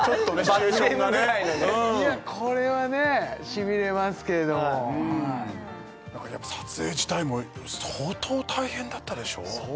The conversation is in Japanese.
罰ゲームぐらいのねいやこれはねしびれますけれどもなんかやっぱ撮影自体も相当大変だったでしょう？